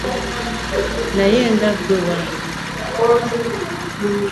Naye nga gwe wange.